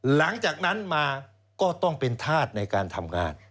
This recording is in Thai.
หลังจากนั้นมาก็ต้องเป็นธาตุในการทำงาน